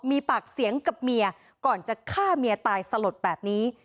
มีปากเสียงกับเมียก่อนจะฆ่าเมียตายสลดแบบนี้